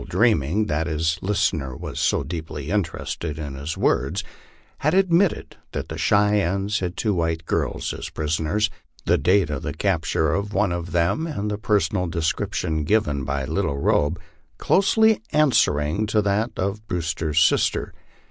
217 dreaming that his listener was so deeply interested in his words, had admit ted that the Cheyennes had two white girls as prisoners, the date of the cap ture of one of them and the personal description given by Little Robe closely answering to that of Brewster's sister.